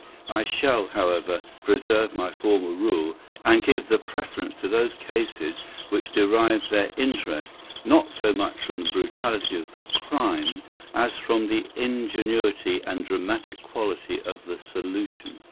I shall, however, preserve my former rule, and give the preference to those cases which derive their interest not so much from the brutality of the crime as from the ingenuity and dramatic quality of the solution.